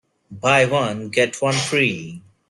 Buy one, get one free.